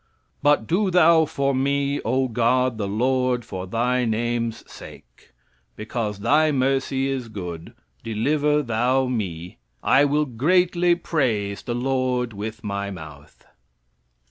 "But do thou for me, O God the Lord, for Thy name's sake; because Thy mercy is good, deliver thou me.... I will greatly praise the Lord with my mouth."